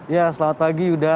ya selamat pagi yuda